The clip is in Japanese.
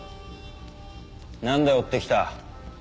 なんで追ってきた？